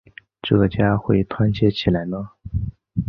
这个家会团结起来呢？